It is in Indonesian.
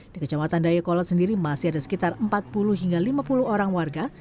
di kecamatan dayakolot sendiri masih ada sekitar empat puluh hingga lima puluh orang warga